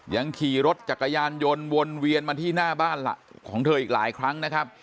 ยังขี่รถจักรยานยนต์วนเวียนมาที่หน้าบ้านของเธออีกหลายครั้งนะครับ